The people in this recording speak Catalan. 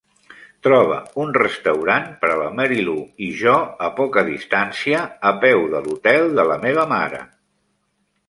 Troba un restaurant per a la marylou i jo a poca distància a peu de l'hotel de la meva mare